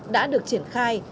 đã được triển khai